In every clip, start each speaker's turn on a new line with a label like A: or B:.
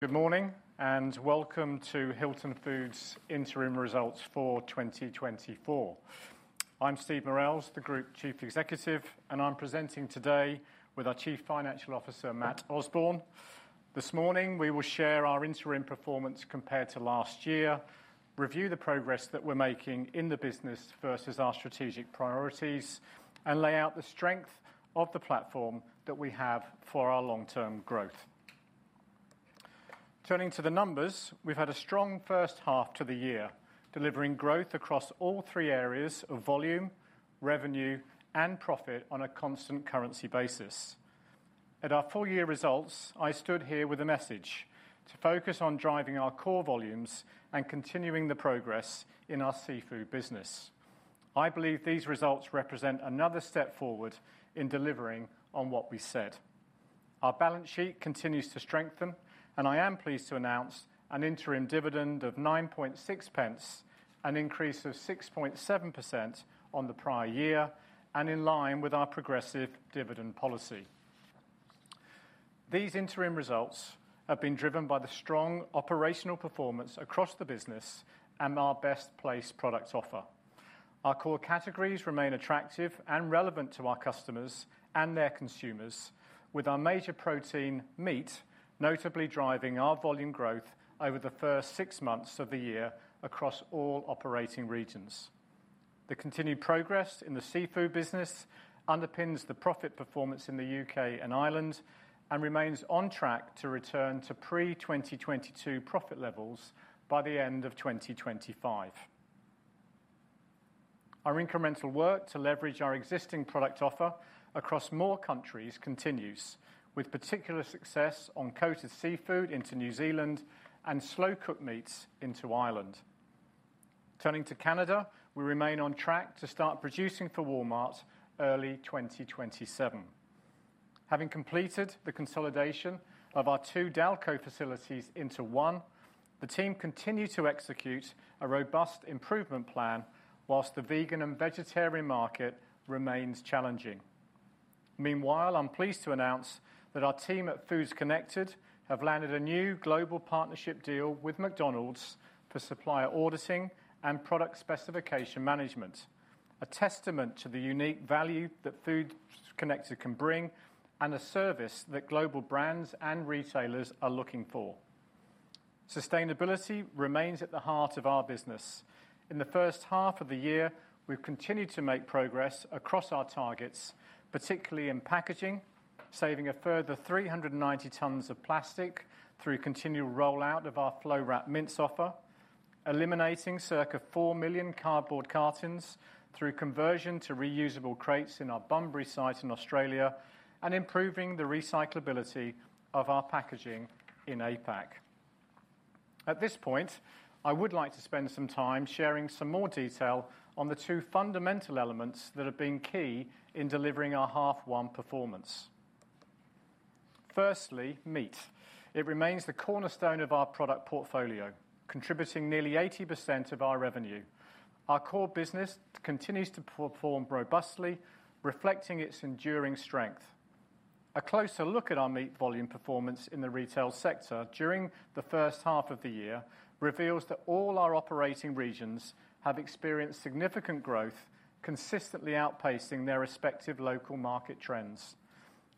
A: Good morning, and welcome to Hilton Foods' interim results for 2024. I'm Steve Murrells, the Group Chief Executive, and I'm presenting today with our Chief Financial Officer, Matt Osborne. This morning, we will share our interim performance compared to last year, review the progress that we're making in the business versus our strategic priorities, and lay out the strength of the platform that we have for our long-term growth. Turning to the numbers, we've had a strong first half to the year, delivering growth across all three areas of volume, revenue, and profit on a constant currency basis. At our full year results, I stood here with a message: to focus on driving our core volumes and continuing the progress in our seafood business. I believe these results represent another step forward in delivering on what we said. Our balance sheet continues to strengthen, and I am pleased to announce an interim dividend of 0.096, an increase of 6.7% on the prior year and in line with our progressive dividend policy. These interim results have been driven by the strong operational performance across the business and our best place product offer. Our core categories remain attractive and relevant to our customers and their consumers, with our major protein, meat, notably driving our volume growth over the first six months of the year across all operating regions. The continued progress in the seafood business underpins the profit performance in the U.K. and Ireland, and remains on track to return to pre-2022 profit levels by the end of 2025. Our incremental work to leverage our existing product offer across more countries continues, with particular success on coated seafood into New Zealand and slow-cooked meats into Ireland. Turning to Canada, we remain on track to start producing for Walmart early 2027. Having completed the consolidation of our two Dalco facilities into one, the team continue to execute a robust improvement plan while the vegan and vegetarian market remains challenging. Meanwhile, I'm pleased to announce that our team at Foods Connected have landed a new global partnership deal with McDonald's for supplier auditing and product specification management, a testament to the unique value that Foods Connected can bring and a service that global brands and retailers are looking for. Sustainability remains at the heart of our business. In the first half of the year, we've continued to make progress across our targets, particularly in packaging, saving a further 390 tons of plastic through continual rollout of our flow wrap mince offer, eliminating circa 4 million cardboard cartons through conversion to reusable crates in our Bunbury site in Australia, and improving the recyclability of our packaging in APAC. At this point, I would like to spend some time sharing some more detail on the two fundamental elements that have been key in delivering our H1 performance. Firstly, meat. It remains the cornerstone of our product portfolio, contributing nearly 80% of our revenue. Our core business continues to perform robustly, reflecting its enduring strength. A closer look at our meat volume performance in the retail sector during the first half of the year reveals that all our operating regions have experienced significant growth, consistently outpacing their respective local market trends.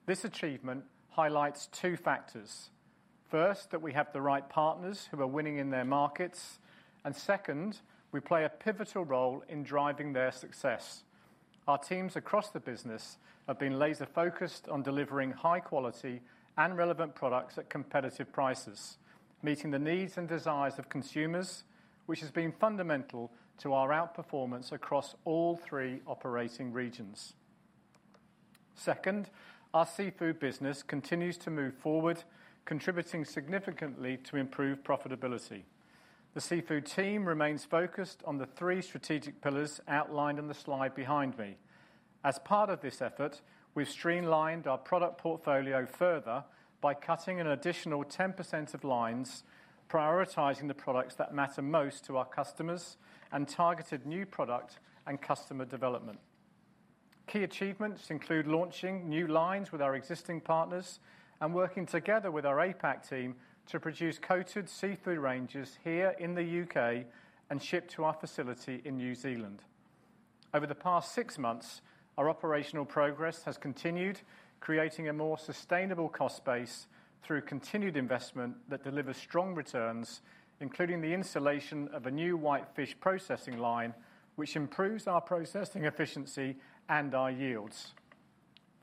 A: This achievement highlights two factors. First, that we have the right partners who are winning in their markets. And second, we play a pivotal role in driving their success. Our teams across the business have been laser focused on delivering high quality and relevant products at competitive prices, meeting the needs and desires of consumers, which has been fundamental to our outperformance across all three operating regions. Second, our seafood business continues to move forward, contributing significantly to improved profitability. The seafood team remains focused on the three strategic pillars outlined in the slide behind me. As part of this effort, we've streamlined our product portfolio further by cutting an additional 10% of lines, prioritizing the products that matter most to our customers and targeted new product and customer development. Key achievements include launching new lines with our existing partners and working together with our APAC team to produce coated seafood ranges here in the U.K. and shipped to our facility in New Zealand. Over the past six months, our operational progress has continued, creating a more sustainable cost base through continued investment that delivers strong returns, including the installation of a new whitefish processing line, which improves our processing efficiency and our yields.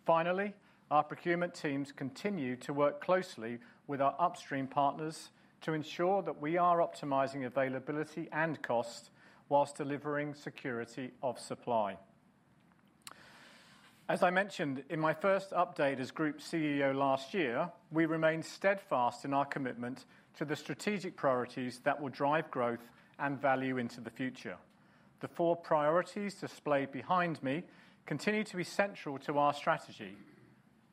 A: Finally, our procurement teams continue to work closely with our upstream partners to ensure that we are optimizing availability and cost whilst delivering security of supply. As I mentioned in my first update as Group CEO last year, we remain steadfast in our commitment to the strategic priorities that will drive growth and value into the future. The four priorities displayed behind me continue to be central to our strategy: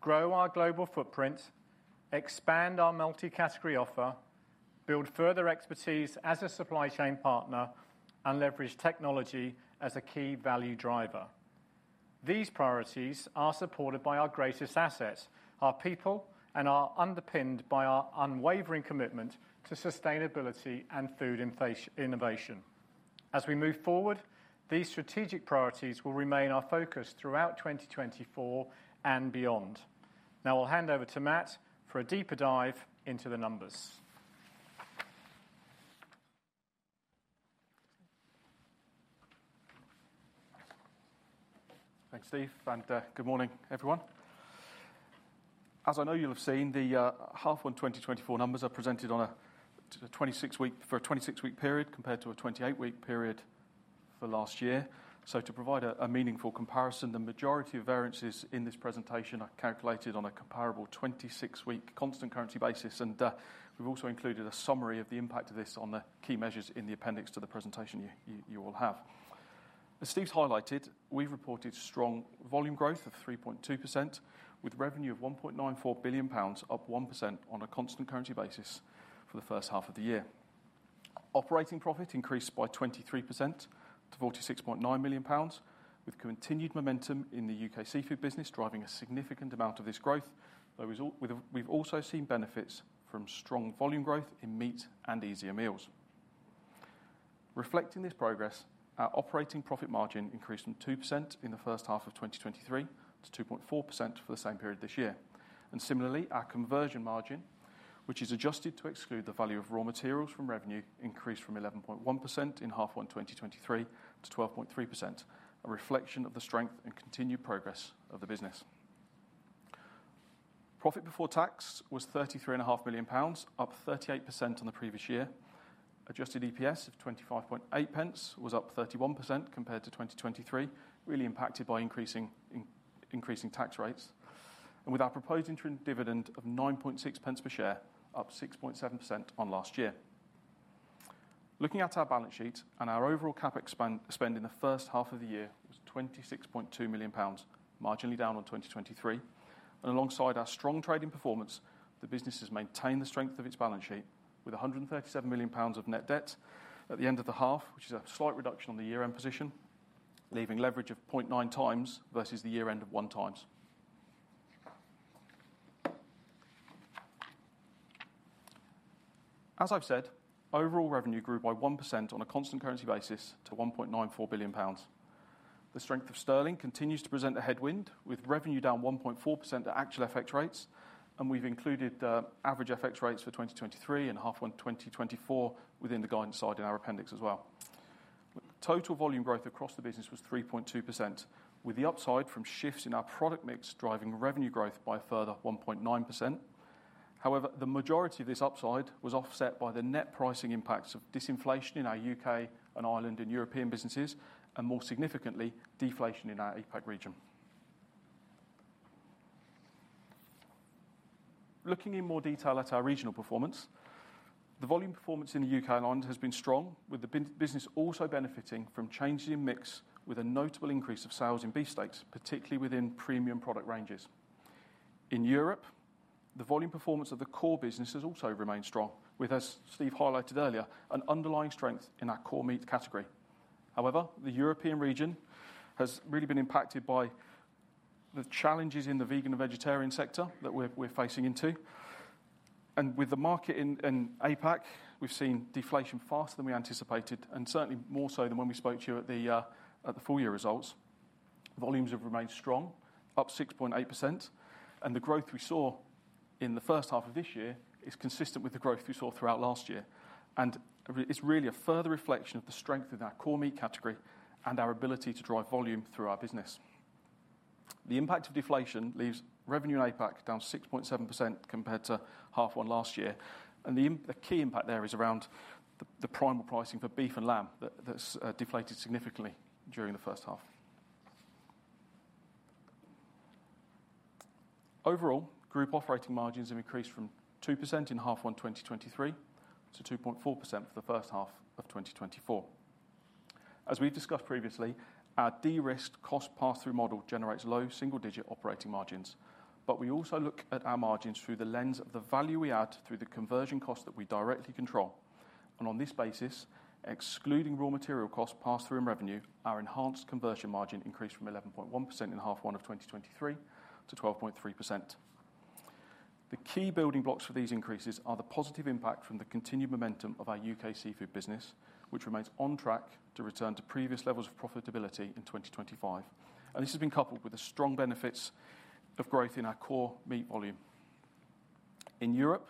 A: grow our global footprint, expand our multi-category offer, build further expertise as a supply chain partner, and leverage technology as a key value driver. These priorities are supported by our greatest assets, our people, and are underpinned by our unwavering commitment to sustainability and food innovation. As we move forward, these strategic priorities will remain our focus throughout 2024 and beyond. Now, I'll hand over to Matt for a deeper dive into the numbers.
B: Thanks, Steve, and good morning, everyone. As I know you'll have seen, the half one 2024 numbers are presented on a 26-week period, compared to a 28-week period for last year. So to provide a meaningful comparison, the majority of variances in this presentation are calculated on a comparable 26-week constant currency basis, and we've also included a summary of the impact of this on the key measures in the appendix to the presentation you all have. As Steve's highlighted, we've reported strong volume growth of 3.2%, with revenue of 1.94 billion pounds, up 1% on a constant currency basis for the first half of the year. Operating profit increased by 23% to 46.9 million pounds, with continued momentum in the UK seafood business driving a significant amount of this growth, we've also seen benefits from strong volume growth in meat and easier meals. Reflecting this progress, our operating profit margin increased from 2% in the first half of 2023 to 2.4% for the same period this year. Similarly, our conversion margin, which is adjusted to exclude the value of raw materials from revenue, increased from 11.1% in half one 2023 to 12.3%, a reflection of the strength and continued progress of the business. Profit before tax was 33.5 million pounds, up 38% on the previous year. Adjusted EPS of 25.8 pence was up 31% compared to 2023, really impacted by increasing tax rates, and with our proposed interim dividend of 9.6 pence per share, up 6.7% on last year. Looking at our balance sheet and our overall CapEx spend in the first half of the year was 26.2 million pounds, marginally down on 2023. And alongside our strong trading performance, the business has maintained the strength of its balance sheet with 137 million pounds of net debt at the end of the half, which is a slight reduction on the year-end position, leaving leverage of 0.9 times versus the year end of 1x.. As I've said, overall revenue grew by 1% on a constant currency basis to 1.94 billion pounds. The strength of sterling continues to present a headwind, with revenue down 1.4% at actual FX rates, and we've included average FX rates for 2023 and H1 2024 within the guidance slide in our appendix as well. Total volume growth across the business was 3.2%, with the upside from shifts in our product mix driving revenue growth by a further 1.9%. However, the majority of this upside was offset by the net pricing impacts of disinflation in our U.K. and Ireland and European businesses, and more significantly, deflation in our APAC region. Looking in more detail at our regional performance, the volume performance in the U.K. and Ireland has been strong, with the Vion business also benefiting from changes in mix, with a notable increase of sales in beef steaks, particularly within premium product ranges. In Europe, the volume performance of the core business has also remained strong, with, as Steve highlighted earlier, an underlying strength in our core meat category. However, the European region has really been impacted by the challenges in the vegan and vegetarian sector that we're facing into. And with the market in APAC, we've seen deflation faster than we anticipated, and certainly more so than when we spoke to you at the full year results. Volumes have remained strong, up 6.8%, and the growth we saw in the first half of this year is consistent with the growth we saw throughout last year, and it's really a further reflection of the strength of our core meat category and our ability to drive volume through our business. The impact of deflation leaves revenue in APAC down 6.7% compared to half one last year, and the key impact there is around the primal pricing for beef and lamb that's deflated significantly during the first half. Overall, group operating margins have increased from 2% in half one 2023 to 2.4% for the first half of 2024. As we've discussed previously, our de-risked cost pass-through model generates low single-digit operating margins, but we also look at our margins through the lens of the value we add through the conversion cost that we directly control. And on this basis, excluding raw material costs passed through in revenue, our enhanced conversion margin increased from 11.1% in half one of 2023 to 12.3%. The key building blocks for these increases are the positive impact from the continued momentum of our UK seafood business, which remains on track to return to previous levels of profitability in 2025, and this has been coupled with the strong benefits of growth in our core meat volume. In Europe,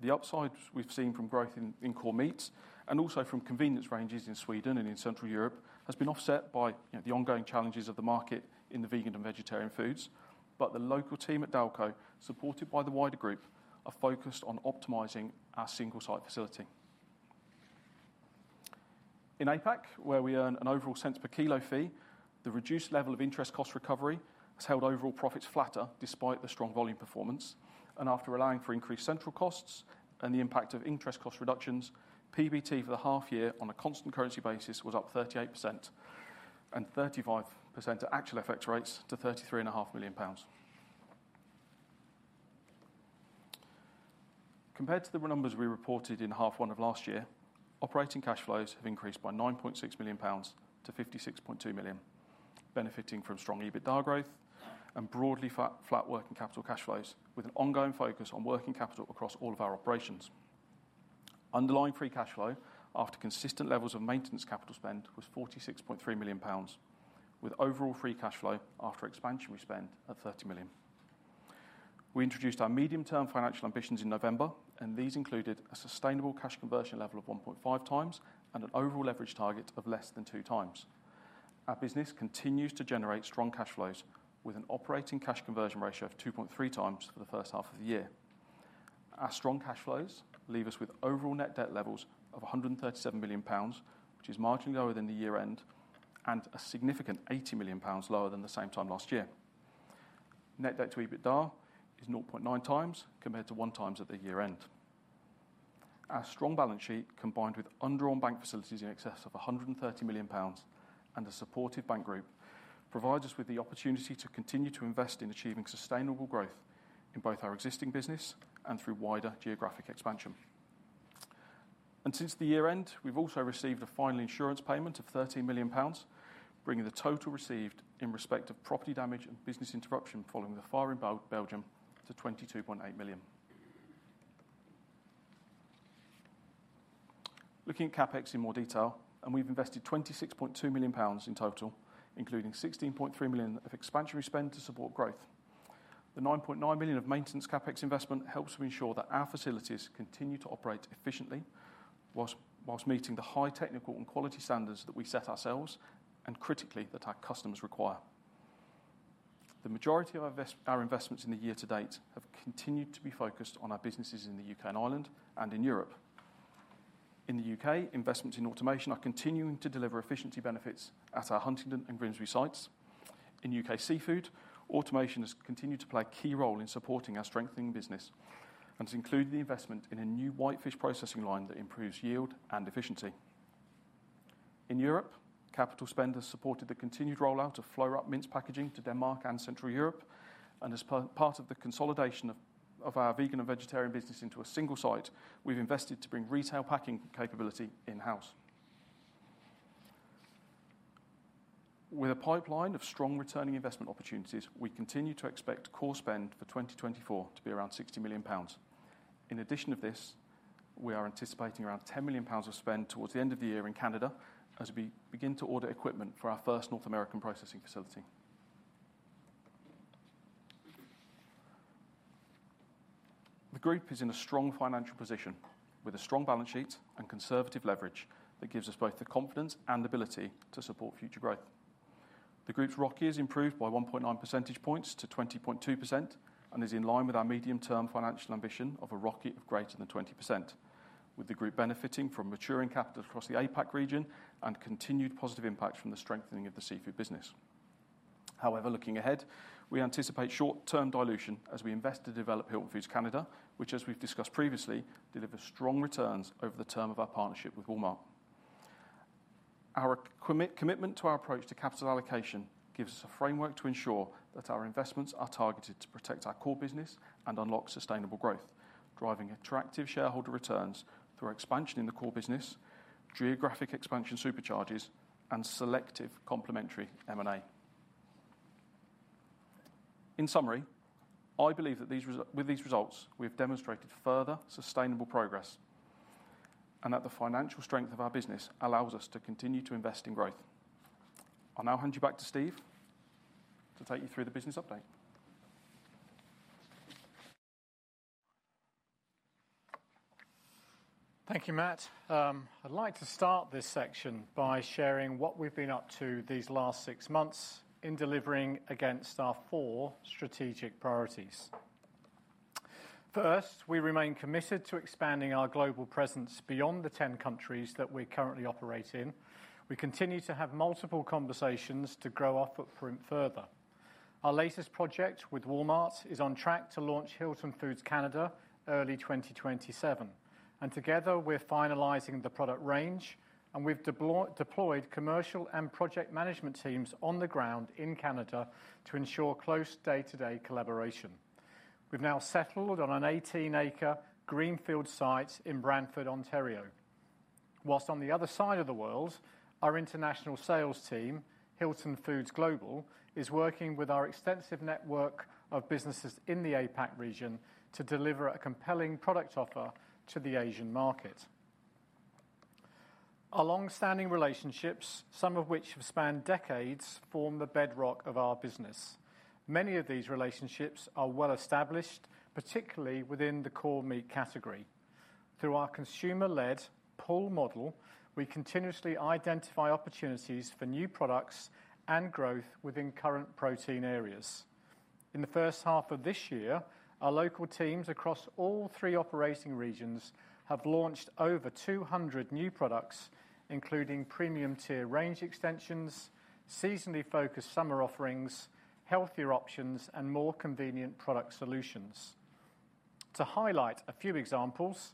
B: the upside we've seen from growth in core meats and also from convenience ranges in Sweden and in Central Europe, has been offset by, you know, the ongoing challenges of the market in the vegan and vegetarian foods. But the local team at Dalco, supported by the wider group, are focused on optimizing our single site facility. In APAC, where we earn an overall cents per kilo fee, the reduced level of interest cost recovery has held overall profits flatter despite the strong volume performance, and after allowing for increased central costs and the impact of interest cost reductions, PBT for the half year on a constant currency basis was up 38% and 35% at actual FX rates to 33.5 million pounds. Compared to the numbers we reported in half one of last year, operating cash flows have increased by 9.6 million pounds to 56.2 million, benefiting from strong EBITDA growth and broadly flat working capital cash flows, with an ongoing focus on working capital across all of our operations. Underlying free cash flow, after consistent levels of maintenance capital spend, was 46.3 million pounds, with overall free cash flow after expansion spend of 30 million. We introduced our medium-term financial ambitions in November, and these included a sustainable cash conversion level of 1.5x and an overall leverage target of less than 2x. Our business continues to generate strong cash flows, with an operating cash conversion ratio of 2.3x for the first half of the year. Our strong cash flows leave us with overall net debt levels of GBP 137 million, which is marginally lower than the year-end, and a significant GBP 80 million lower than the same time last year. Net debt to EBITDA is 0.9x, compared to 1x at the year-end. Our strong balance sheet, combined with undrawn bank facilities in excess of 130 million pounds and a supportive bank group, provides us with the opportunity to continue to invest in achieving sustainable growth in both our existing business and through wider geographic expansion. Since the year-end, we've also received a final insurance payment of 13 million pounds, bringing the total received in respect of property damage and business interruption following the fire in Belgium to 22.8 million. Looking at CapEx in more detail, we've invested 26.2 million pounds in total, including 16.3 million of expansionary spend to support growth. The 9.9 million of maintenance CapEx investment helps to ensure that our facilities continue to operate efficiently, while meeting the high technical and quality standards that we set ourselves, and critically, that our customers require. The majority of our investments in the year to date have continued to be focused on our businesses in the U.K. and Ireland and in Europe. In the U.K., investments in automation are continuing to deliver efficiency benefits at our Huntingdon and Grimsby sites. In U.K. Seafood, automation has continued to play a key role in supporting our strengthening business, and this included the investment in a new whitefish processing line that improves yield and efficiency. In Europe, capital spend has supported the continued rollout of flow wrap mince packaging to Denmark and Central Europe, and as part of the consolidation of our vegan and vegetarian business into a single site, we've invested to bring retail packing capability in-house. With a pipeline of strong returning investment opportunities, we continue to expect core spend for 2024 to be around 60 million pounds. In addition to this, we are anticipating around 10 million pounds of spend towards the end of the year in Canada as we begin to order equipment for our first North American processing facility. The group is in a strong financial position, with a strong balance sheet and conservative leverage that gives us both the confidence and ability to support future growth. The group's ROCE has improved by 1.9 percentage points to 20.2% and is in line with our medium-term financial ambition of a ROCE of greater than 20%, with the group benefiting from maturing capital across the APAC region and continued positive impacts from the strengthening of the seafood business. However, looking ahead, we anticipate short-term dilution as we invest to develop Hilton Foods Canada, which, as we've discussed previously, delivers strong returns over the term of our partnership with Walmart. Our commitment to our approach to capital allocation gives us a framework to ensure that our investments are targeted to protect our core business and unlock sustainable growth, driving attractive shareholder returns through expansion in the core business, geographic expansion supercharges, and selective complementary M&A. In summary, I believe that with these results, we have demonstrated further sustainable progress and that the financial strength of our business allows us to continue to invest in growth. I'll now hand you back to Steve to take you through the business update.
A: Thank you, Matt. I'd like to start this section by sharing what we've been up to these last six months in delivering against our four strategic priorities. First, we remain committed to expanding our global presence beyond the 10 countries that we currently operate in. We continue to have multiple conversations to grow our footprint further. Our latest project with Walmart is on track to launch Hilton Foods Canada early 2027, and together we're finalizing the product range, and we've deployed commercial and project management teams on the ground in Canada to ensure close day-to-day collaboration. We've now settled on an 18-acre greenfield site in Brantford, Ontario. While on the other side of the world, our international sales team, Hilton Foods Global, is working with our extensive network of businesses in the APAC region to deliver a compelling product offer to the Asian market. Our long-standing relationships, some of which have spanned decades, form the bedrock of our business. Many of these relationships are well-established, particularly within the core meat category. Through our consumer-led pull model, we continuously identify opportunities for new products and growth within current protein areas. In the first half of this year, our local teams across all three operating regions have launched over 200 new products, including premium tier range extensions, seasonally focused summer offerings, healthier options, and more convenient product solutions. To highlight a few examples.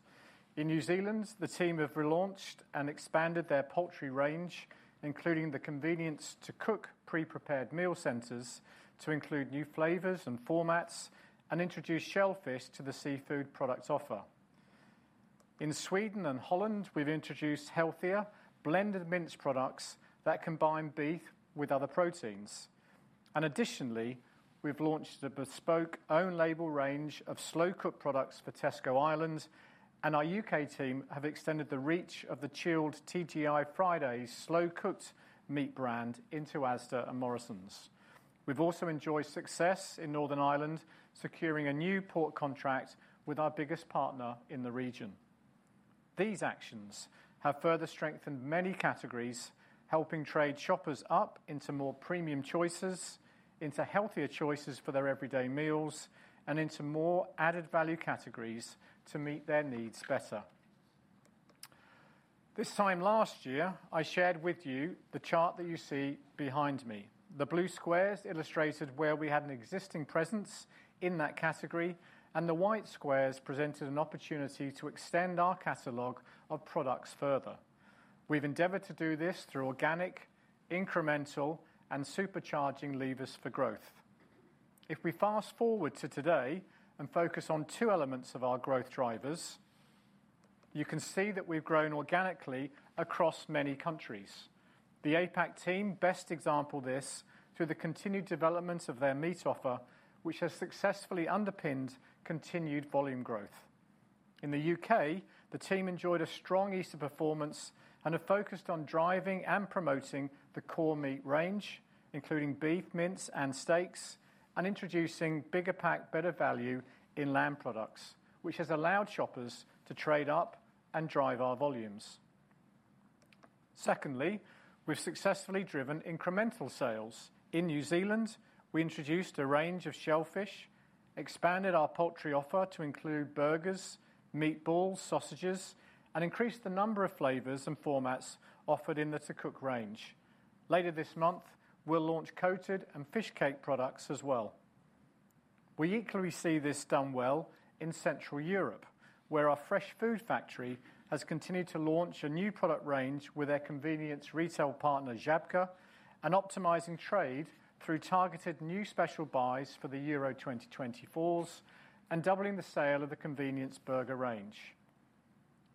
A: In New Zealand, the team have relaunched and expanded their poultry range, including the convenience to cook pre-prepared meal centers to include new flavors and formats, and introduce shellfish to the seafood products offer. In Sweden and Holland, we've introduced healthier, blended mince products that combine beef with other proteins. Additionally, we've launched a bespoke own label range of slow-cooked products for Tesco Ireland, and our U.K. team have extended the reach of the chilled TGI Fridays slow-cooked meat brand into Asda and Morrisons. We've also enjoyed success in Northern Ireland, securing a new pork contract with our biggest partner in the region. These actions have further strengthened many categories, helping trade shoppers up into more premium choices, into healthier choices for their everyday meals, and into more added value categories to meet their needs better. This time last year, I shared with you the chart that you see behind me. The blue squares illustrated where we had an existing presence in that category, and the white squares presented an opportunity to extend our catalog of products further. We've endeavored to do this through organic, incremental, and supercharging levers for growth. If we fast-forward to today and focus on two elements of our growth drivers, you can see that we've grown organically across many countries. The APAC team best exemplifies this through the continued development of their meat offer, which has successfully underpinned continued volume growth. In the U.K., the team enjoyed a strong Easter performance and have focused on driving and promoting the core meat range, including beef, mince, and steaks, and introducing bigger pack, better value in lamb products, which has allowed shoppers to trade up and drive our volumes. Secondly, we've successfully driven incremental sales. In New Zealand, we introduced a range of shellfish, expanded our poultry offer to include burgers, meatballs, sausages, and increased the number of flavors and formats offered in the To Cook range. Later this month, we'll launch coated and fish cake products as well. We equally see this done well in Central Europe, where our fresh food factory has continued to launch a new product range with their convenience retail partner, Żabka, and optimizing trade through targeted new special buys for the Euro 2024s and doubling the sale of the convenience burger range.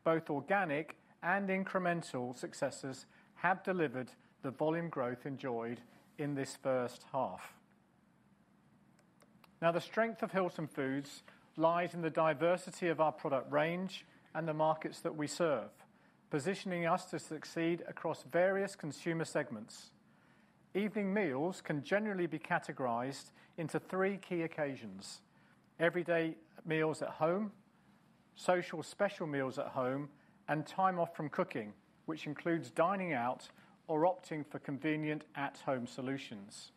A: Both organic and incremental successes have delivered the volume growth enjoyed in this first half. Now, the strength of Hilton Foods lies in the diversity of our product range and the markets that we serve, positioning us to succeed across various consumer segments. Evening meals can generally be categorized into three key occasions: everyday meals at home, social special meals at home, and time off from cooking, which includes dining out or opting for convenient at-home solutions.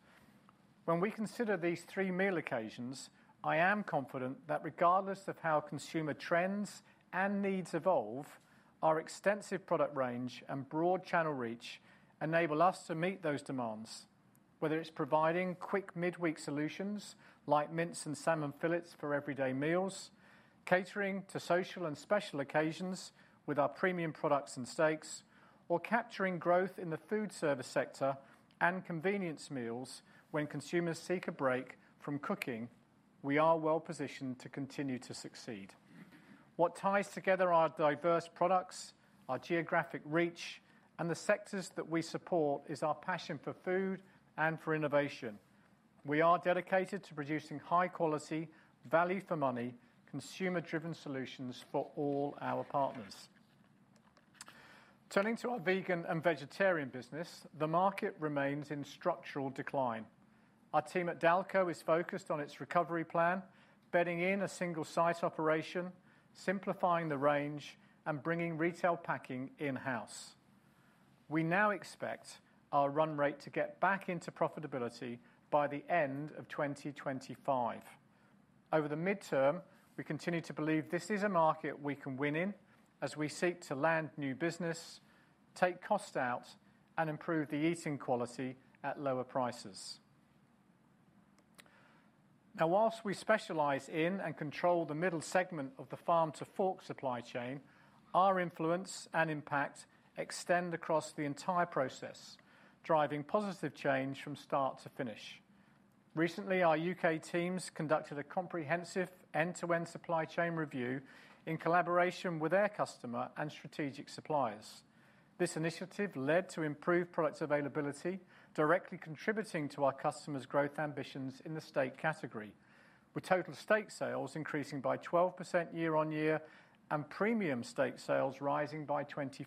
A: When we consider these three meal occasions, I am confident that regardless of how consumer trends and needs evolve, our extensive product range and broad channel reach enable us to meet those demands. Whether it's providing quick midweek solutions like mince and salmon fillets for everyday meals, catering to social and special occasions with our premium products and steaks, or capturing growth in the food service sector and convenience meals when consumers seek a break from cooking, we are well positioned to continue to succeed. What ties together our diverse products, our geographic reach, and the sectors that we support, is our passion for food and for innovation. We are dedicated to producing high quality, value for money, consumer-driven solutions for all our partners. Turning to our vegan and vegetarian business, the market remains in structural decline. Our team at Dalco is focused on its recovery plan, bedding in a single site operation, simplifying the range, and bringing retail packing in-house. We now expect our run rate to get back into profitability by the end of 2025. Over the midterm, we continue to believe this is a market we can win in as we seek to land new business, take cost out, and improve the eating quality at lower prices. Now, while we specialize in and control the middle segment of the farm-to-fork supply chain, our influence and impact extend across the entire process, driving positive change from start to finish. Recently, our U.K. teams conducted a comprehensive end-to-end supply chain review in collaboration with their customer and strategic suppliers. This initiative led to improved product availability, directly contributing to our customers' growth ambitions in the steak category, with total steak sales increasing by 12% year on year and premium steak sales rising by 25%.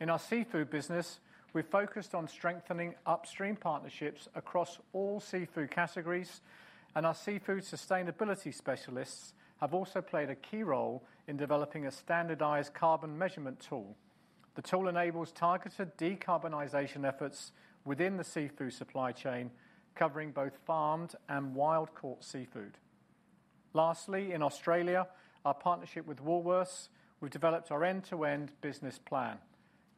A: In our seafood business, we're focused on strengthening upstream partnerships across all seafood categories, and our seafood sustainability specialists have also played a key role in developing a standardized carbon measurement tool. The tool enables targeted decarbonization efforts within the seafood supply chain, covering both farmed and wild-caught seafood. Lastly, in Australia, our partnership with Woolworths, we've developed our end-to-end business plan.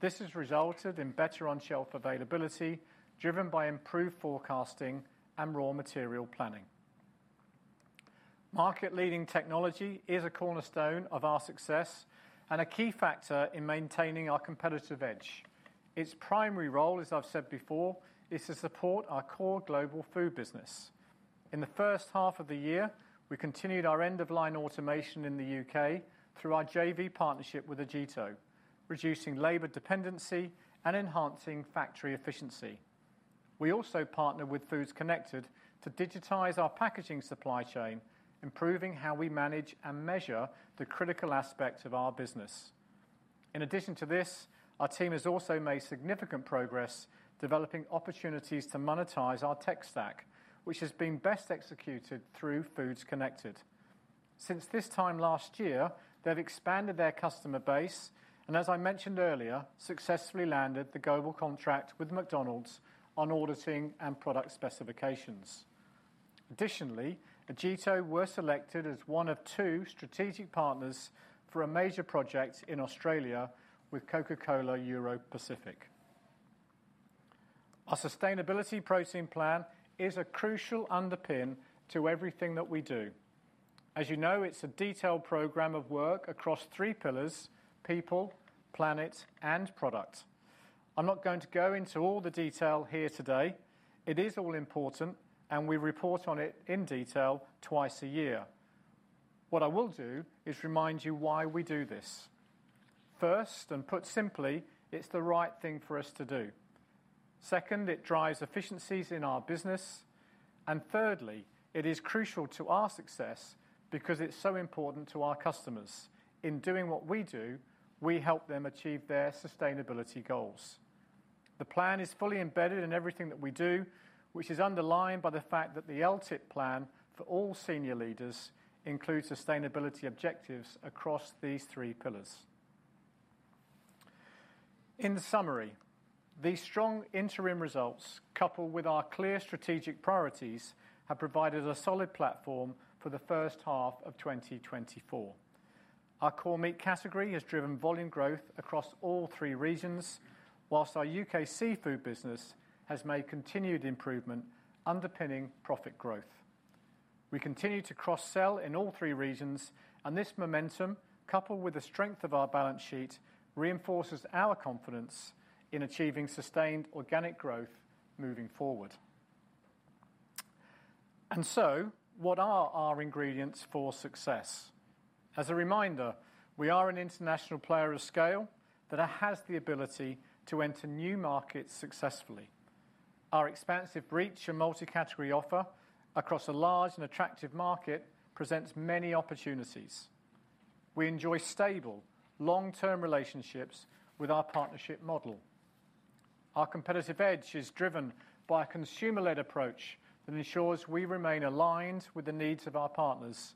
A: This has resulted in better on-shelf availability, driven by improved forecasting and raw material planning. Market-leading technology is a cornerstone of our success and a key factor in maintaining our competitive edge. Its primary role, as I've said before, is to support our core global food business. In the first half of the year, we continued our end-of-line automation in the U.K. through our JV partnership with Agito, reducing labor dependency and enhancing factory efficiency. We also partnered with Foods Connected to digitize our packaging supply chain, improving how we manage and measure the critical aspects of our business. In addition to this, our team has also made significant progress developing opportunities to monetize our tech stack, which has been best executed through Foods Connected. Since this time last year, they've expanded their customer base and, as I mentioned earlier, successfully landed the global contract with McDonald's on auditing and product specifications. Additionally, Agito were selected as one of two strategic partners for a major project in Australia with Coca-Cola Europacific. Our sustainable protein plan is a crucial underpin to everything that we do. As you know, it's a detailed program of work across three pillars: people, planet, and product. I'm not going to go into all the detail here today. It is all important, and we report on it in detail twice a year. What I will do is remind you why we do this. First, and put simply, it's the right thing for us to do. Second, it drives efficiencies in our business. And thirdly, it is crucial to our success because it's so important to our customers. In doing what we do, we help them achieve their sustainability goals. The plan is fully embedded in everything that we do, which is underlined by the fact that the LTIP plan for all senior leaders includes sustainability objectives across these three pillars. In summary, these strong interim results, coupled with our clear strategic priorities, have provided a solid platform for the first half of 2024. Our core meat category has driven volume growth across all three regions, while our U.K. seafood business has made continued improvement, underpinning profit growth. We continue to cross-sell in all three regions, and this momentum, coupled with the strength of our balance sheet, reinforces our confidence in achieving sustained organic growth moving forward and so, what are our ingredients for success? As a reminder, we are an international player of scale that has the ability to enter new markets successfully. Our expansive reach and multi-category offer across a large and attractive market presents many opportunities. We enjoy stable, long-term relationships with our partnership model. Our competitive edge is driven by a consumer-led approach that ensures we remain aligned with the needs of our partners.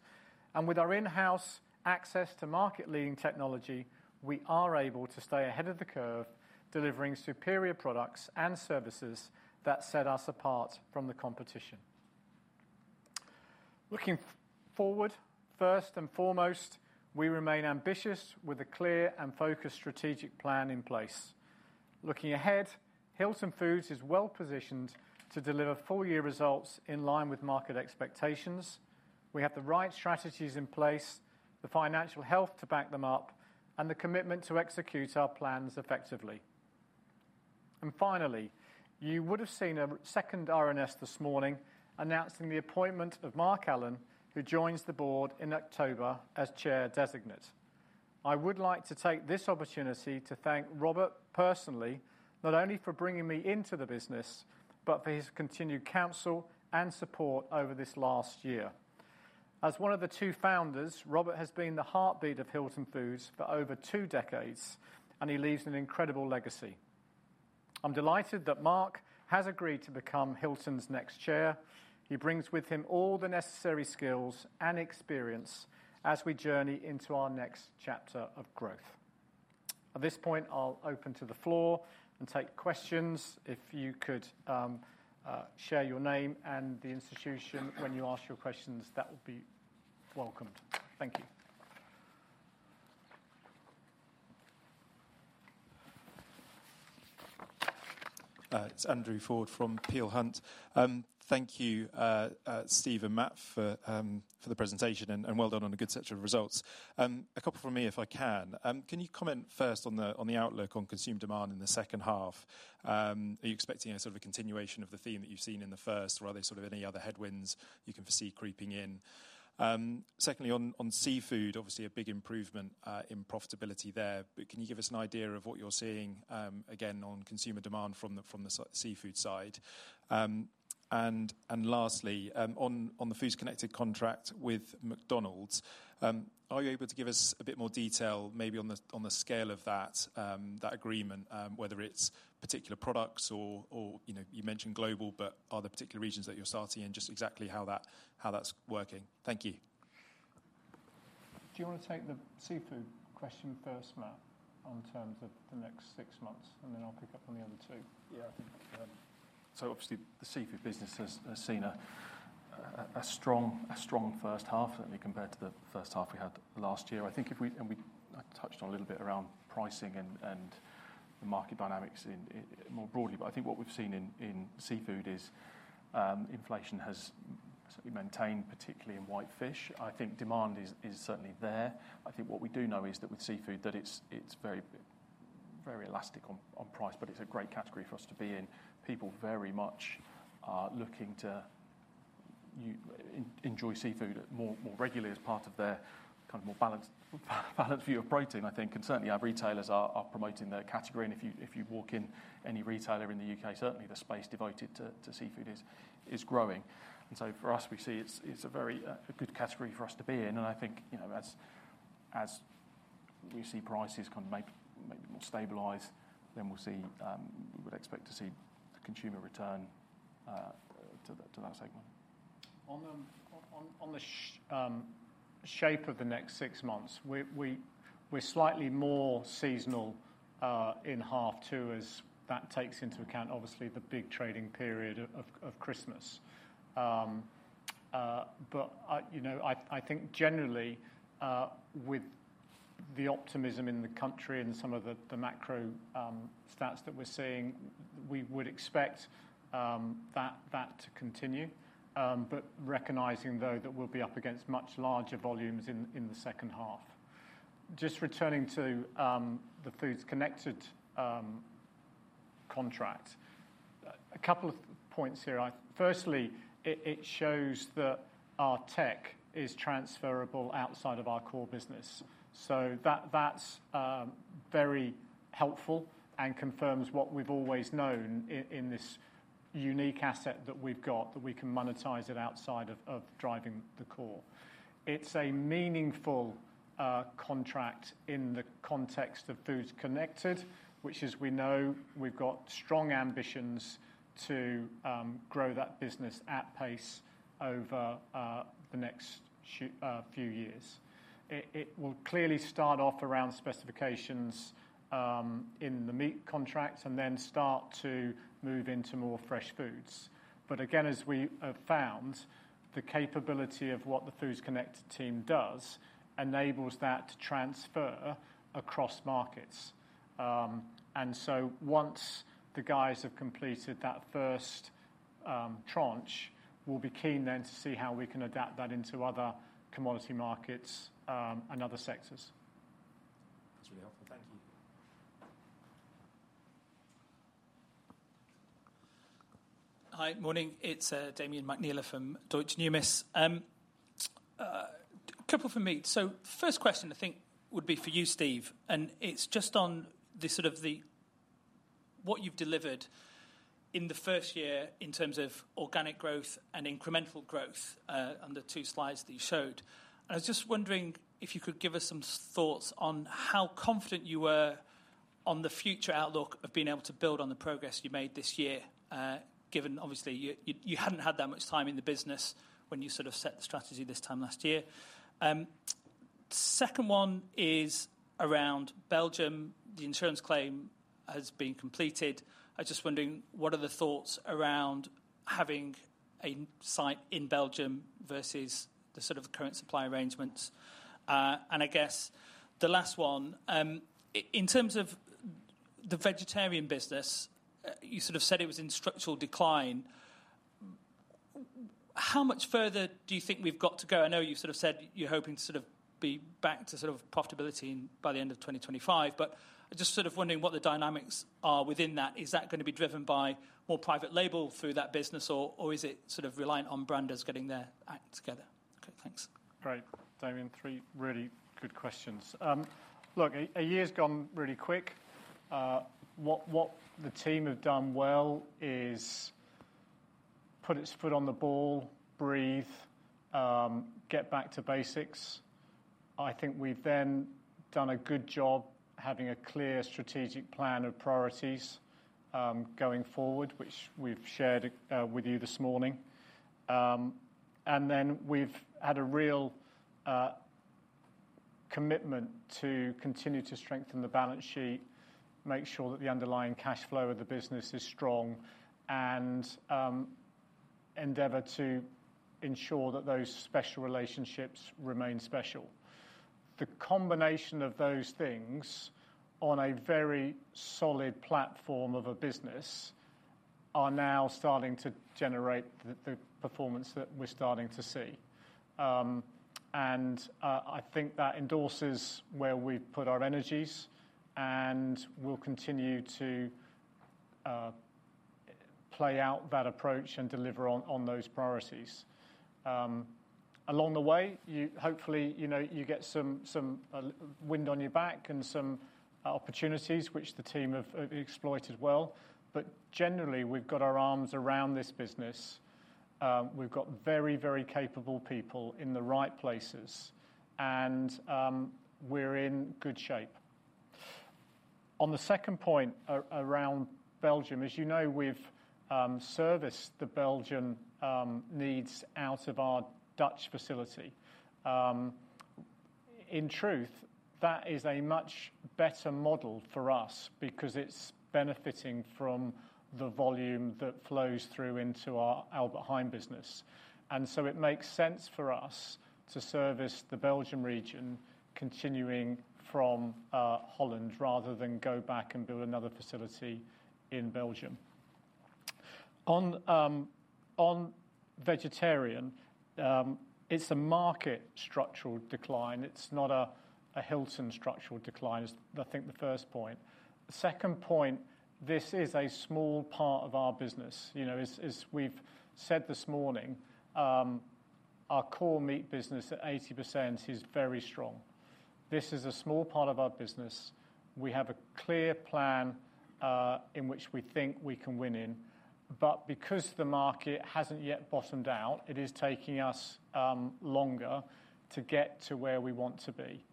A: With our in-house access to market-leading technology, we are able to stay ahead of the curve, delivering superior products and services that set us apart from the competition. Looking forward, first and foremost, we remain ambitious with a clear and focused strategic plan in place. Looking ahead, Hilton Foods is well-positioned to deliver full-year results in line with market expectations. We have the right strategies in place, the financial health to back them up, and the commitment to execute our plans effectively. Finally, you would have seen a second RNS this morning announcing the appointment of Mark Allen, who joins the board in October as Chair Designate. I would like to take this opportunity to thank Robert personally, not only for bringing me into the business, but for his continued counsel and support over this last year. As one of the two founders, Robert has been the heartbeat of Hilton Foods for over two decades, and he leaves an incredible legacy. I'm delighted that Mark has agreed to become Hilton's next chair. He brings with him all the necessary skills and experience as we journey into our next chapter of growth. At this point, I'll open to the floor and take questions. If you could, share your name and the institution when you ask your questions, that would be welcome.
C: Thank you.It's Andrew Ford from Peel Hunt. Thank you, Steve and Matt, for the presentation, and well done on a good set of results. A couple from me, if I can. Can you comment first on the outlook on consumer demand in the second half? Are you expecting a sort of a continuation of the theme that you've seen in the first, or are there sort of any other headwinds you can foresee creeping in? Secondly, on seafood, obviously a big improvement in profitability there, but can you give us an idea of what you're seeing, again, on consumer demand from the seafood side? And lastly, on the Foods Connected contract with McDonald's, are you able to give us a bit more detail, maybe on the scale of that agreement, whether it's particular products or, you know, you mentioned global, but are there particular regions that you're starting and just exactly how that's working? Thank you.
A: Do you wanna take the seafood question first, Matt, in terms of the next six months, and then I'll pick up on the other two?
B: Yeah, I think...... So obviously, the seafood business has seen a strong first half, certainly compared to the first half we had last year. I think I touched on a little bit around pricing and the market dynamics in more broadly. But I think what we've seen in seafood is, inflation has certainly maintained, particularly in whitefish. I think demand is certainly there. I think what we do know is that with seafood, that it's very elastic on price, but it's a great category for us to be in. People very much are looking to enjoy seafood more regularly as part of their kind of more balanced view of protein, I think, and certainly our retailers are promoting the category. And if you walk in any retailer in the U.K., certainly the space devoted to seafood is growing. And so for us, we see it's a very good category for us to be in. And I think, you know, as you see prices kind of maybe more stabilized, then we'll see, we would expect to see the consumer return to that segment.
A: On the shape of the next six months, we're slightly more seasonal in half two, as that takes into account, obviously, the big trading period of Christmas. But you know, I think generally, with the optimism in the country and some of the macro stats that we're seeing, we would expect that to continue. But recognizing, though, that we'll be up against much larger volumes in the second half. Just returning to the Foods Connected contract. A couple of points here. Firstly, it shows that our tech is transferable outside of our core business. So that's very helpful and confirms what we've always known in this unique asset that we've got, that we can monetize it outside of driving the core. It's a meaningful contract in the context of Foods Connected, which as we know, we've got strong ambitions to grow that business at pace over the next few years. It will clearly start off around specifications in the meat contracts, and then start to move into more fresh foods. But again, as we have found, the capability of what the Foods Connected team does enables that to transfer across markets. And so once the guys have completed that first tranche, we'll be keen then to see how we can adapt that into other commodity markets and other sectors.
C: That's really helpful. Thank you.
D: Hi, morning. It's Damian McNeela from Deutsche Numis. Couple for me. So first question I think would be for you, Steve, and it's just on the sort of what you've delivered in the first year in terms of organic growth and incremental growth, on the two slides that you showed. I was just wondering if you could give us some thoughts on how confident you were on the future outlook of being able to build on the progress you made this year, given obviously you hadn't had that much time in the business when you sort of set the strategy this time last year. Second one is around Belgium. The insurance claim has been completed. I'm just wondering, what are the thoughts around having a site in Belgium versus the sort of current supply arrangements? And I guess the last one, in terms of the vegetarian business, you sort of said it was in structural decline. How much further do you think we've got to go? I know you sort of said you're hoping to sort of be back to sort of profitability by the end of 2025, but I'm just sort of wondering what the dynamics are within that. Is that going to be driven by more private label through that business, or, or is it sort of reliant on branders getting their act together? Okay, thanks.
A: Great, Damien. Three really good questions. Look, a year's gone really quick. What the team have done well is put its foot on the ball, breathe, get back to basics. I think we've then done a good job having a clear strategic plan of priorities, going forward, which we've shared with you this morning, and then we've had a real commitment to continue to strengthen the balance sheet, make sure that the underlying cash flow of the business is strong, and endeavor to ensure that those special relationships remain special. The combination of those things on a very solid platform of a business are now starting to generate the performance that we're starting to see. I think that endorses where we've put our energies, and we'll continue to play out that approach and deliver on those priorities. Along the way, you hopefully, you know, you get some wind on your back and some opportunities which the team have exploited well. But generally, we've got our arms around this business. We've got very, very capable people in the right places, and we're in good shape. On the second point around Belgium, as you know, we've serviced the Belgian needs out of our Dutch facility. In truth, that is a much better model for us because it's benefiting from the volume that flows through into our Albert Heijn business. And so it makes sense for us to service the Belgium region continuing from Holland, rather than go back and build another facility in Belgium. On vegetarian, it's a market structural decline. It's not a Hilton structural decline. It's, I think, the first point. The second point, this is a small part of our business. You know, as we've said this morning, our core meat business at 80% is very strong. This is a small part of our business. We have a clear plan in which we think we can win in. But because the market hasn't yet bottomed out, it is taking us longer to get to where we want to be.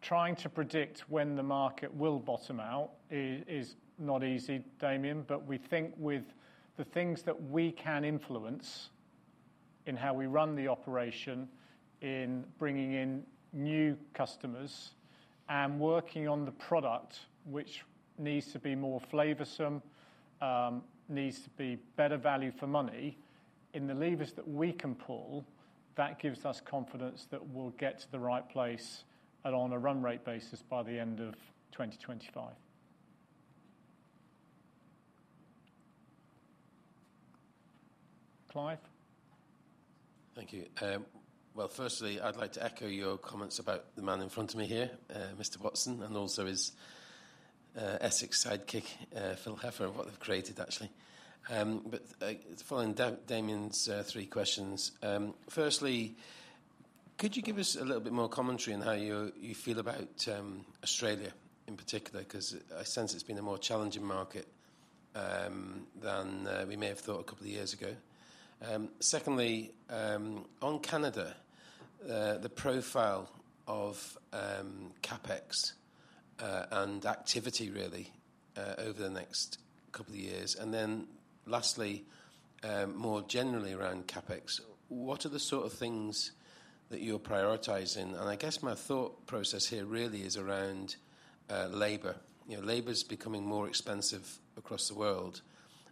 A: Trying to predict when the market will bottom out is not easy, Damien, but we think with the things that we can influence in how we run the operation, in bringing in new customers, and working on the product, which needs to be more flavorsome, needs to be better value for money, in the levers that we can pull, that gives us confidence that we'll get to the right place and on a run rate basis by the end of 2025. Clive? Thank you. Well, firstly, I'd like to echo your comments about the man in front of me here, Mr. Watson, and also his Essex sidekick, Phil Heffer, what they've created, actually. But following Damian's three questions, firstly, could you give us a little bit more commentary on how you feel about Australia in particular? 'Cause I sense it's been a more challenging market than we may have thought a couple of years ago. Secondly, on Canada, the profile of CapEx and activity really over the next couple of years. And then lastly, more generally around CapEx, what are the sort of things that you're prioritizing? And I guess my thought process here really is around labor. You know, labor is becoming more expensive across the world,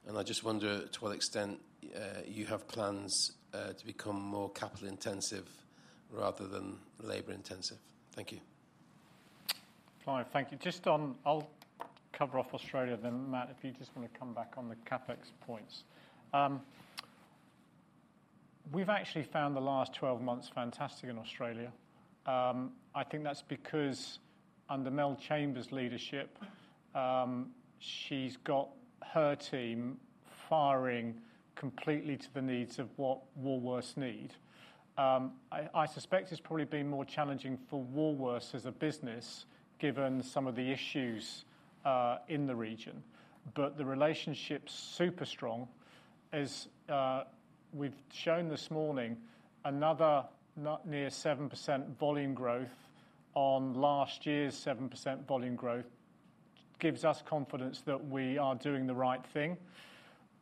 A: and I just wonder to what extent you have plans to become more capital intensive rather than labor intensive? Thank you. Clive, thank you. Just on... I'll cover off Australia, then Matt, if you just want to come back on the CapEx points. We've actually found the last 12 months fantastic in Australia. I think that's because under Mel Chambers' leadership, she's got her team firing completely to the needs of what Woolworths need. I suspect it's probably been more challenging for Woolworths as a business, given some of the issues in the region, but the relationship's super strong. As we've shown this morning, another not near 7% volume growth on last year's 7% volume growth gives us confidence that we are doing the right thing.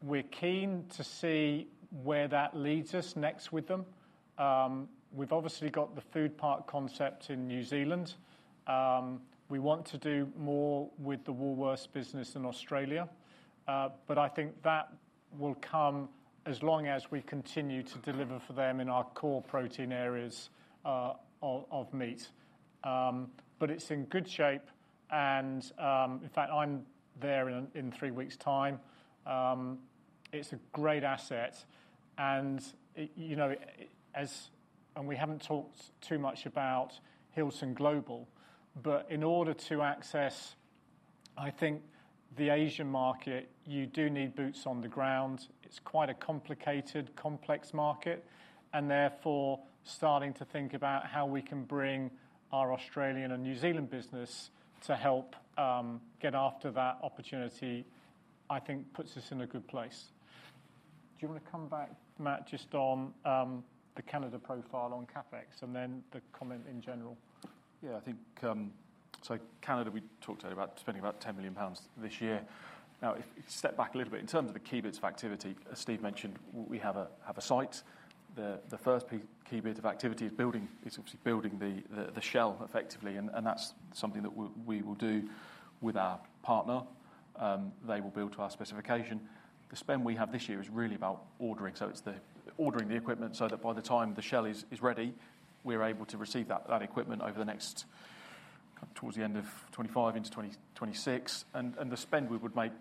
A: We're keen to see where that leads us next with them. We've obviously got the Foodpark concept in New Zealand. We want to do more with the Woolworths business in Australia, but I think that will come as long as we continue to deliver for them in our core protein areas of meat. But it's in good shape and, in fact, I'm there in three weeks time. It's a great asset and, you know, and we haven't talked too much about Hilton Global, but in order to access, I think, the Asian market, you do need boots on the ground. It's quite a complicated, complex market, and therefore, starting to think about how we can bring our Australian and New Zealand business to help get after that opportunity, I think puts us in a good place. Do you want to come back, Matt, just on the Canada profile on CapEx and then the comment in general?
B: Yeah, I think, so Canada, we talked earlier about spending about 10 million pounds this year. Now, if we step back a little bit, in terms of the key bits of activity, as Steve mentioned, we have a site. The first key bit of activity is building. It's obviously building the shell effectively, and that's something that we will do with our partner. They will build to our specification. The spend we have this year is really about ordering, so it's ordering the equipment so that by the time the shell is ready, we're able to receive that equipment towards the end of 2025 into 2026. And the spend we would make,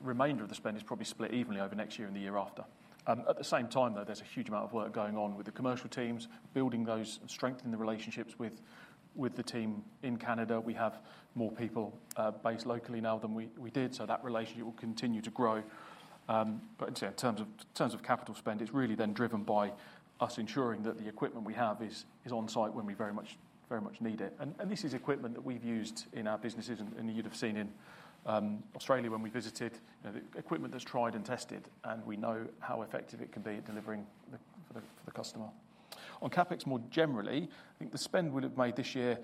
B: remainder of the spend is probably split evenly over next year and the year after. At the same time, though, there's a huge amount of work going on with the commercial teams, building those, strengthening the relationships with the team in Canada. We have more people based locally now than we did, so that relationship will continue to grow. But in terms of capital spend, it's really then driven by us ensuring that the equipment we have is on site when we very much need it. And this is equipment that we've used in our businesses, and you'd have seen in Australia when we visited. You know, the equipment is tried and tested, and we know how effective it can be at delivering the for the customer. On CapEx more generally, I think the spend we would have made this year-...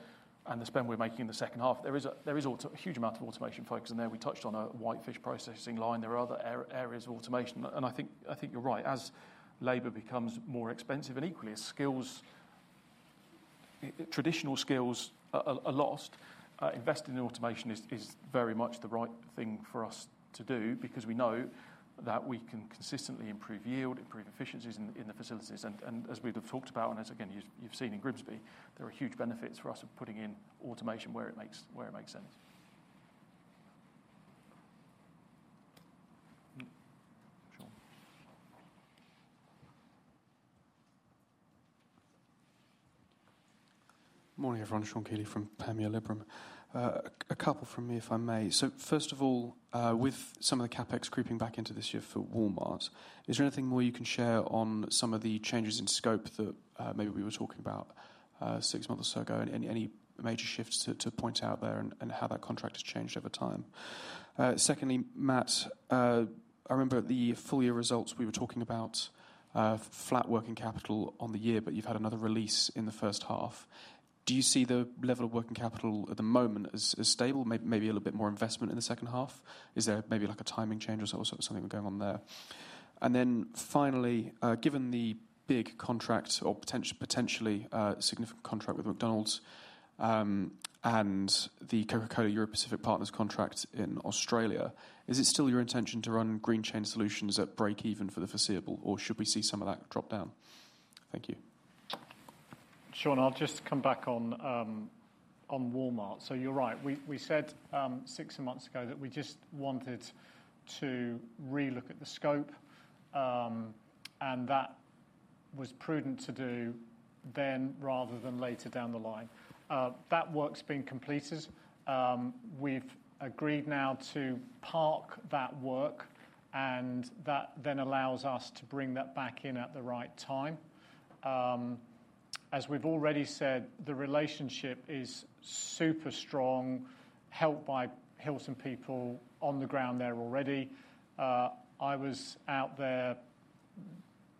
B: and the spend we're making in the second half, there is a huge amount of automation focus in there. We touched on a whitefish processing line. There are other areas of automation, and I think you're right. As labor becomes more expensive, and equally as skills, traditional skills are lost, investing in automation is very much the right thing for us to do because we know that we can consistently improve yield, improve efficiencies in the facilities. And as we've talked about and as again you've seen in Grimsby, there are huge benefits for us of putting in automation where it makes sense. Sean?
E: Morning, everyone. Sean Keighley from Panmure Liberum. A couple from me, if I may. So first of all, with some of the CapEx creeping back into this year for Walmart, is there anything more you can share on some of the changes in scope that maybe we were talking about six months or so ago? Any major shifts to point out there and how that contract has changed over time? Secondly, Matt, I remember at the full year results, we were talking about flat working capital on the year, but you've had another release in the first half. Do you see the level of working capital at the moment as stable, maybe a little bit more investment in the second half? Is there maybe like a timing change or so, something going on there? And then finally, given the big contract or potentially significant contract with McDonald's, and the Coca-Cola Europacific Partners contract in Australia, is it still your intention to run Greenchain Solutions at break even for the foreseeable, or should we see some of that drop down? Thank you.
A: Sean, I'll just come back on Walmart. So you're right. We said six months ago that we just wanted to relook at the scope, and that was prudent to do then rather than later down the line. That work's been completed. We've agreed now to park that work, and that then allows us to bring that back in at the right time. As we've already said, the relationship is super strong, helped by Hilton people on the ground there already. I was out there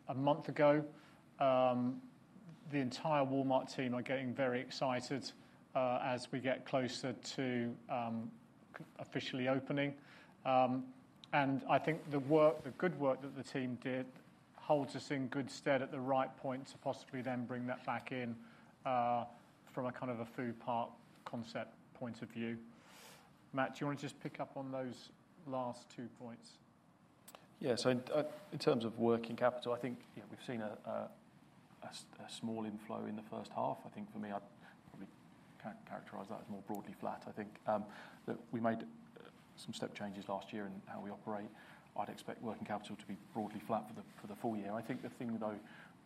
A: a month ago. The entire Walmart team are getting very excited, as we get closer to officially opening. And I think the work, the good work that the team did, holds us in good stead at the right point to possibly then bring that back in, from a kind of a Foodpark concept point of view. Matt, do you want to just pick up on those last two points?
B: Yeah. So, in terms of working capital, I think, you know, we've seen a small inflow in the first half. I think for me, I'd probably characterize that as more broadly flat. I think that we made some step changes last year in how we operate. I'd expect working capital to be broadly flat for the full year. I think the thing, though,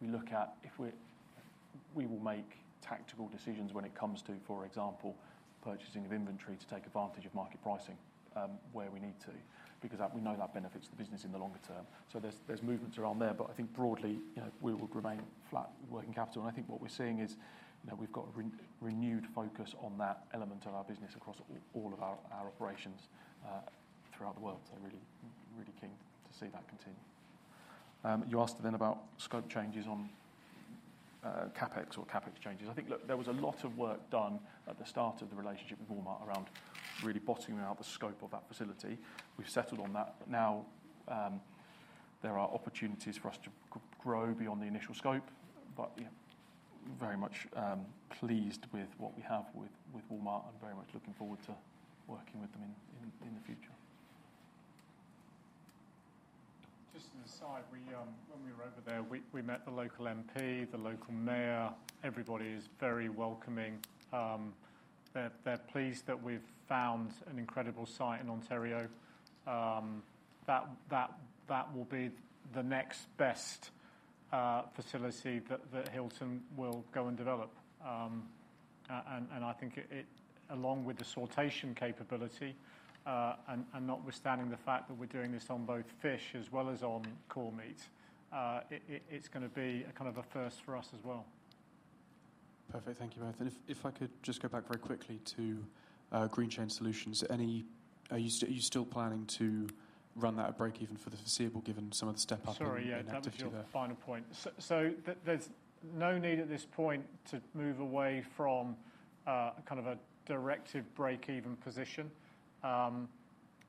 B: we look at, if we will make tactical decisions when it comes to, for example, purchasing of inventory to take advantage of market pricing, where we need to, because that we know that benefits the business in the longer term. So there's movements around there, but I think broadly, you know, we would remain flat working capital. I think what we're seeing is, you know, we've got a renewed focus on that element of our business across all of our operations throughout the world, so really, really keen to see that continue. You asked then about scope changes on CapEx or CapEx changes. I think, look, there was a lot of work done at the start of the relationship with Walmart around really bottoming out the scope of that facility. We've settled on that. But now, there are opportunities for us to grow beyond the initial scope, but, you know, very much pleased with what we have with Walmart. I'm very much looking forward to working with them in the future.
A: Just an aside. When we were over there, we met the local MP, the local mayor. Everybody is very welcoming. They're pleased that we've found an incredible site in Ontario, that will be the next best facility that Hilton will go and develop, and I think it, along with the sortation capability, and notwithstanding the fact that we're doing this on both fish as well as on core meat, it's gonna be a kind of a first for us as well.
E: Perfect. Thank you both. If I could just go back very quickly to Greenchain Solutions. Are you still planning to run that at break even for the foreseeable, given some of the step up in activity there?
A: Sorry, yeah, that was your final point. So, so there, there's no need at this point to move away from kind of a direct to break-even position.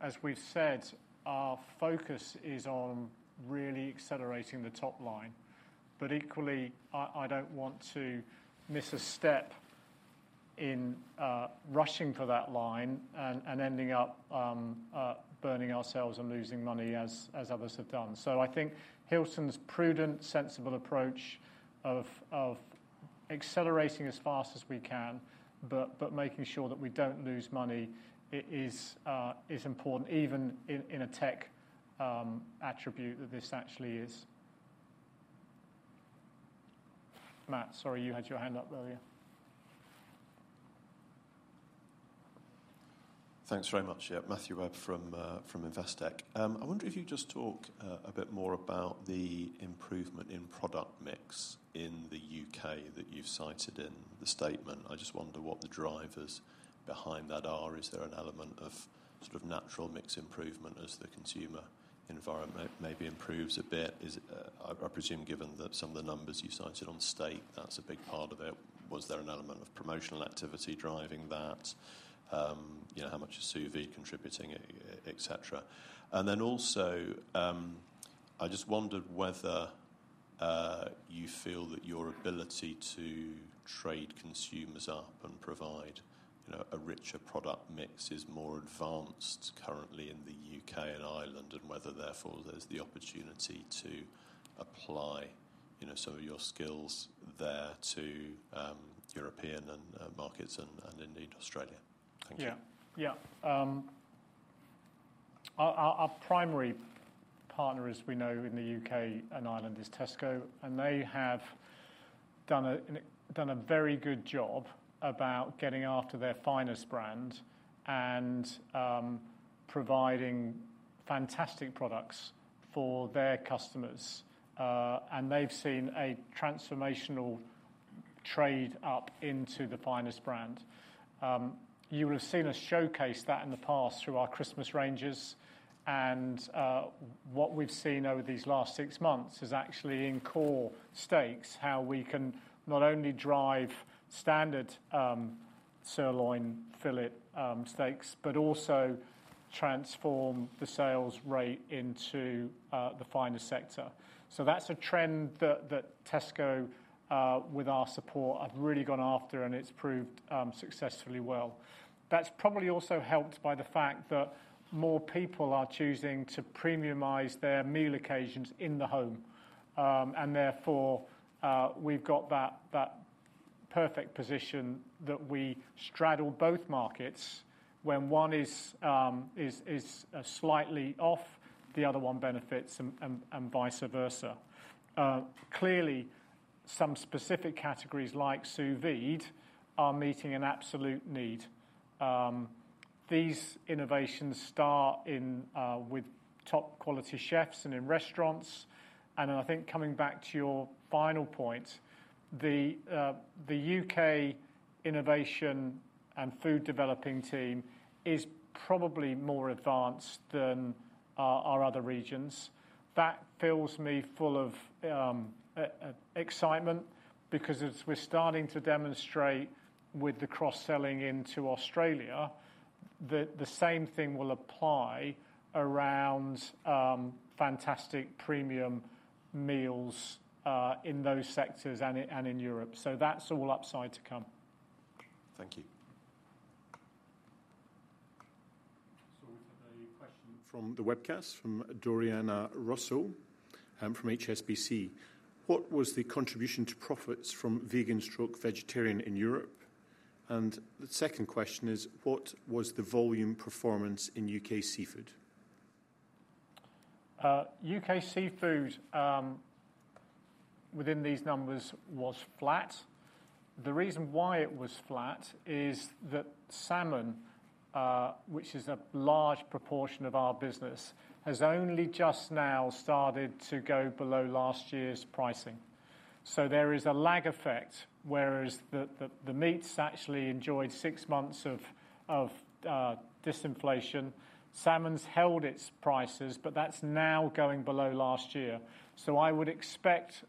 A: As we've said, our focus is on really accelerating the top line. But equally, I don't want to miss a step in rushing for that line and ending up burning ourselves and losing money as others have done. So I think Hilton's prudent, sensible approach of accelerating as fast as we can, but making sure that we don't lose money is important, even in a tech attribute that this actually is. Matt, sorry, you had your hand up earlier.
F: Thanks very much. Yeah, Matthew Webb from Investec. I wonder if you could just talk a bit more about the improvement in product mix in the U.K. that you've cited in the statement. I just wonder what the drivers behind that are. Is there an element of sort of natural mix improvement as the consumer environment maybe improves a bit? Is, I presume, given that some of the numbers you cited in the statement, that's a big part of it. Was there an element of promotional activity driving that? You know, how much is sous vide contributing, et cetera? And then also, I just wondered whether you feel that your ability to trade consumers up and provide, you know, a richer product mix is more advanced currently in the U.K. and Ireland, and whether, therefore, there's the opportunity to apply, you know, some of your skills there to European markets and indeed Australia? Thank you.
A: Yeah, yeah. Our primary partner, as we know in the U.K. and Ireland, is Tesco, and they have done a very good job about getting after their Finest brand and providing fantastic products for their customers, and they've seen a transformational trade up into the Finest brand. You will have seen us showcase that in the past through our Christmas ranges, and what we've seen over these last six months is actually in core steaks, how we can not only drive standard sirloin, fillet steaks, but also transform the sales rate into the Finest sector. So that's a trend that Tesco with our support have really gone after, and it's proved successfully well. That's probably also helped by the fact that more people are choosing to premiumize their meal occasions in the home. And therefore, we've got that perfect position that we straddle both markets. When one is slightly off, the other one benefits and vice versa. Clearly, some specific categories like sous vide are meeting an absolute need. These innovations start with top quality chefs and in restaurants, and I think coming back to your final point, the U.K. innovation and food developing team is probably more advanced than our other regions. That fills me full of excitement, because as we're starting to demonstrate with the cross-selling into Australia, the same thing will apply around fantastic premium meals in those sectors and in Europe. So that's all upside to come.
F: Thank you.
G: We have a question from the webcast, from Doriana Russo, from HSBC. What was the contribution to profits from vegan/vegetarian in Europe? And the second question is, what was the volume performance in UK seafood?
A: UK seafood, within these numbers, was flat. The reason why it was flat is that salmon, which is a large proportion of our business, has only just now started to go below last year's pricing. So there is a lag effect, whereas the meats actually enjoyed six months of disinflation. Salmon's held its prices, but that's now going below last year. So I would expect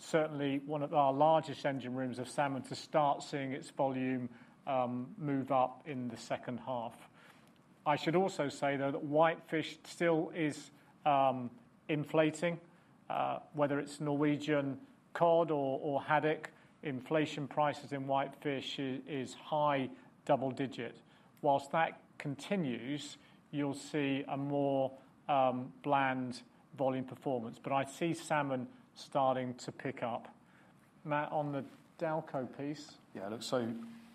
A: certainly one of our largest engine rooms of salmon to start seeing its volume move up in the second half. I should also say, though, that whitefish still is inflating, whether it's Norwegian cod or haddock, inflation prices in whitefish is high double digit. Whilst that continues, you'll see a more bland volume performance, but I see salmon starting to pick up. Matt, on the Dalco piece?
B: Yeah, look, so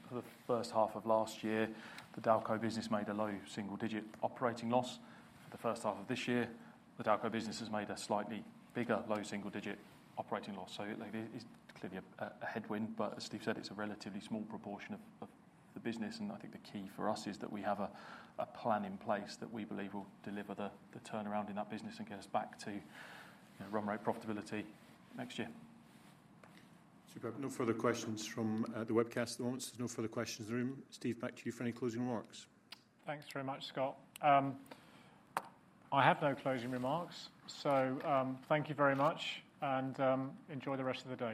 B: for the first half of last year, the Dalco business made a low single-digit operating loss. For the first half of this year, the Dalco business has made a slightly bigger low single-digit operating loss. So it is clearly a headwind, but as Steve said, it's a relatively small proportion of the business, and I think the key for us is that we have a plan in place that we believe will deliver the turnaround in that business and get us back to, you know, run rate profitability next year.
G: So we have no further questions from the webcast at the moment. There's no further questions in the room. Steve, back to you for any closing remarks.
A: Thanks very much, Scott. I have no closing remarks, so, thank you very much, and, enjoy the rest of the day.